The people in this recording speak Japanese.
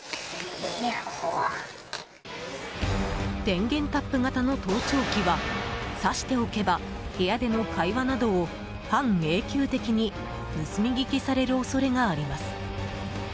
電源タップ型の盗聴器は挿しておけば部屋での会話などを半永久的に盗み聞きされる恐れがあります。